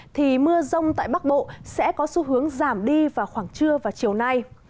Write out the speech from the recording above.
thì mưa rông tại bắc bộ sẽ có xu hướng giảm đi vào khoảng trưa và chiều nay